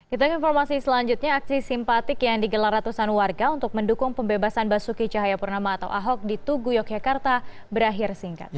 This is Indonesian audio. kita ke informasi selanjutnya aksi simpatik yang digelar ratusan warga untuk mendukung pembebasan basuki cahayapurnama atau ahok di tugu yogyakarta berakhir singkat